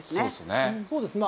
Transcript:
そうですね。